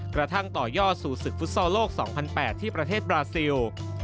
กระทั่งต่อยอดสู่ศึกฟุตซอลโลก๒๐๐๘ที่ประเทศบราซิล